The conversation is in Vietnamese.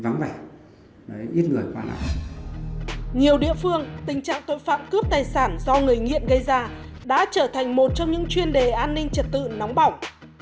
nhiều địa phương tình trạng tội phạm cướp tài sản do người nghiện gây ra đã trở thành một trong những chuyên đề an ninh trật tự nóng bỏng